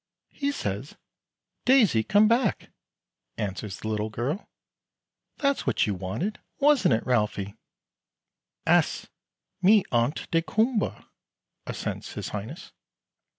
"He says, 'Daisy come back,'" answers the little girl. "That's what you wanted wasn't it, Ralphie?" "Es, me ont daykumboa," assents his Highness.